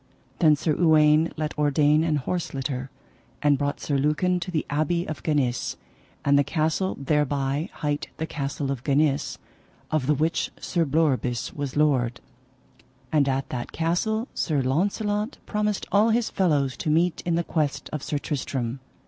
Then Sir Uwaine let ordain an horse litter, and brought Sir Lucan to the abbey of Ganis, and the castle thereby hight the Castle of Ganis, of the which Sir Bleoberis was lord. And at that castle Sir Launcelot promised all his fellows to meet in the quest of Sir Tristram.